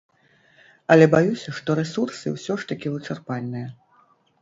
Але баюся, што рэсурсы ўсё ж такі вычарпальныя.